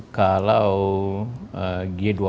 masyarakat yang diperlukan